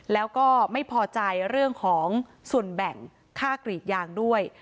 แล้วก็ไม่พอใจเรื่องของส่วนแบ่งค่ากรีดยางด้วย